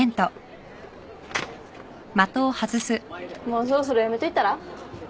もうそろそろやめといたら？